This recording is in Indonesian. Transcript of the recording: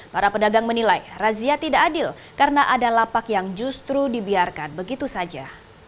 para pedagang menilai razia tidak adil karena ada lapak yang justru dibiarkan begitu saja